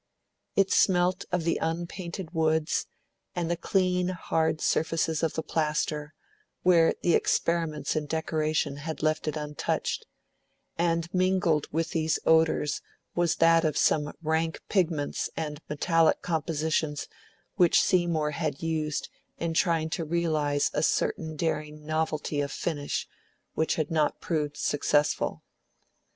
It smelt of the unpainted woods and the clean, hard surfaces of the plaster, where the experiments in decoration had left it untouched; and mingled with these odours was that of some rank pigments and metallic compositions which Seymour had used in trying to realise a certain daring novelty of finish, which had not proved successful.